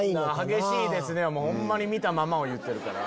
「激しいですね」はホンマに見たままを言ってるから。